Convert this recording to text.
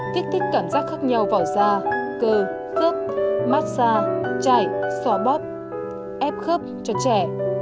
kích thích cảm giác khác nhau vào da cơ khớp mát da chải xóa bóp ép khớp cho trẻ